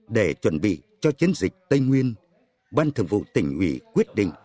để chuẩn bị cho chiến dịch tây nguyên ban thường vụ tỉnh ủy quyết định